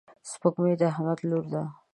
سپوږمۍ د احمد لور ده.